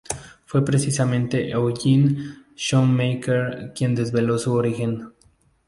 Fue precisamente Eugene Shoemaker quien desveló su origen.